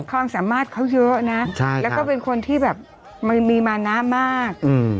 ความสามารถเขาเยอะนะแล้วก็เป็นคนที่แบบมันมีมานะมาก